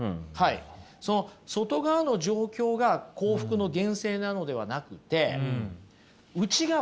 その外側の状況が幸福の源泉なのではなくて内側。